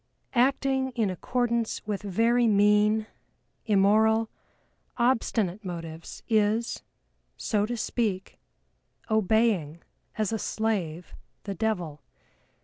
Acting in accordance with very mean, immoral, obstinate motives is, so to speak, obeying as a slave the devil.